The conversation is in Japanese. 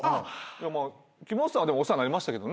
まあ木本さんはお世話になりましたけどね。